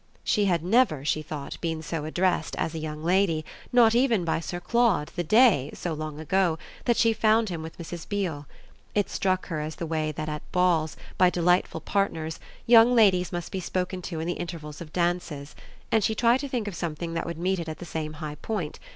She had never, she thought, been so addressed as a young lady, not even by Sir Claude the day, so long ago, that she found him with Mrs. Beale. It struck her as the way that at balls, by delightful partners, young ladies must be spoken to in the intervals of dances; and she tried to think of something that would meet it at the same high point.